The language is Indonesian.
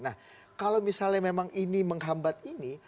nah kalau misalnya memang ini menghambat ini